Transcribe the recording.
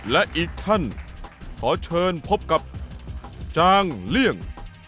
และอีกท่านขอเชิญพบกับจางเลี่ยง